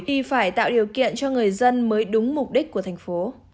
thì phải tạo điều kiện cho người dân mới đúng mục đích của thành phố